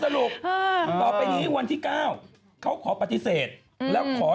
เดี๋ยวก่อนหนุ่ม